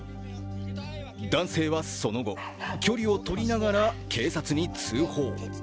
男性はその後、距離をとりながら警察に通報。